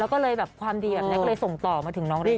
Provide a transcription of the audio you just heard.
แล้วก็เลยแบบความดีแบบนี้ก็เลยส่งต่อมาถึงน้องริน